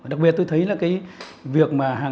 đặc biệt tôi thấy việc